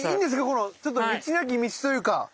このちょっと道なき道というか。